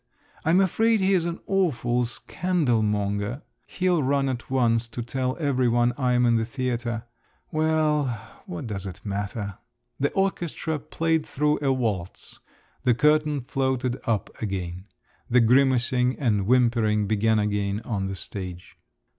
I am afraid he's an awful scandalmonger; he'll run at once to tell every one I'm in the theatre. Well, what does it matter?" The orchestra played through a waltz, the curtain floated up again…. The grimacing and whimpering began again on the stage.